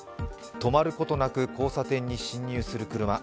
止まることなく交差点に進入する車。